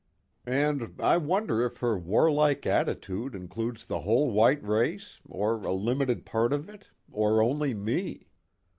And, I wonder if her warlike attitude includes the whole white race, or a limited part of it, or only me?